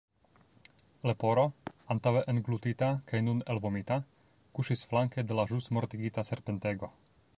Leporo, antaŭe englutita kaj nun elvomita, kuŝis flanke de la ĵus mortigita serpentego.